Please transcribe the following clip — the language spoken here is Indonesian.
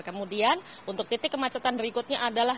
kemudian untuk titik kemacetan berikutnya adalah